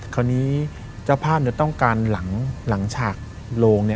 คราวนี้เจ้าภาพต้องการหลังฉากโลง